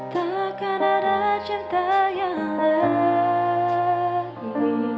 takkan ada cinta yang lain